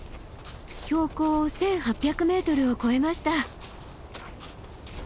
標高１，８００ｍを超えました。